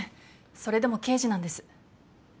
それでも刑事なんです。